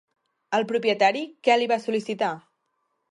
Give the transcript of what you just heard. El propietari, què li va sol·licitar?